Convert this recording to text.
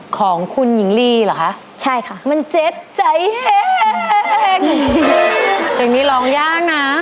ของคุณหญิงลีเหรอคะใช่ค่ะมันเจ็บใจแห้งเพลงนี้ร้องยากนะ